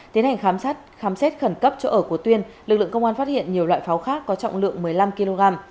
tiến hành khám xét khám xét khẩn cấp chỗ ở của tuyên lực lượng công an phát hiện nhiều loại pháo khác có trọng lượng một mươi năm kg